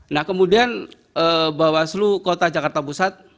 nah kemudian bawaslu kota jakarta pusat